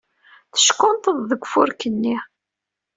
Teckunṭḍed deg ufurk-nni.